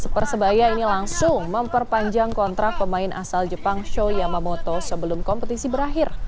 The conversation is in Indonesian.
persebaya ini langsung memperpanjang kontrak pemain asal jepang show yamamoto sebelum kompetisi berakhir